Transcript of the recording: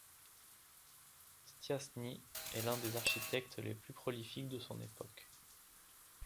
Stiassny est l'un des architectes les plus prolifiques de son époque.